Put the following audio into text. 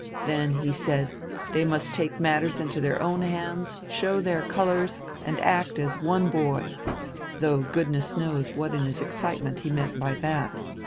Then, he said, they must take matters into their own hands, show their colours, and act as one boy though goodness knows what in his excitement he meant by that.